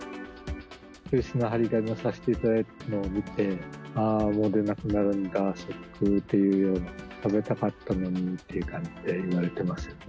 休止の貼り紙をさせていただいたのを見て、あー、もう出なくなるんだ、ショックというような、食べたかったのにという感じで言われてますよね。